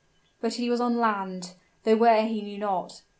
But he was on land, though where he knew not.